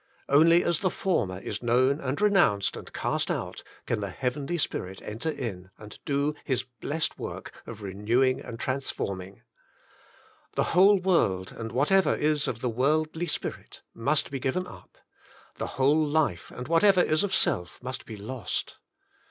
Only as the former is known and renounced and cast out, can the heavenly Spirit enter in, and do His blessed work of renew ing and transforming. The whole world and whatever is of the wordly spirit, must be given up. The whole life and whatever is of self must be lost.